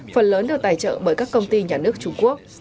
phần lớn được tài trợ bởi các công ty nhà nước trung quốc